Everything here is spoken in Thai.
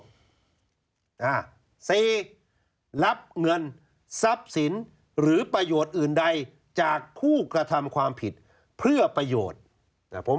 สี่รับเงินทรัพย์สินหรือประโยชน์อื่นใดจากผู้กระทำความผิดเพื่อประโยชน์แต่ผม